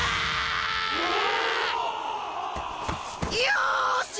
よし！